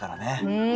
うん。